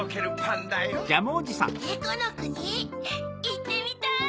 いってみたい！